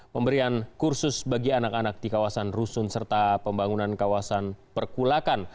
pemberian kursus bagi anak anak di kawasan rusun serta pembangunan kawasan perkulakan